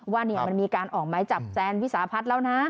ว่ามันมีการออกไม้จับแซนวิสาพัฒน์แล้วนะ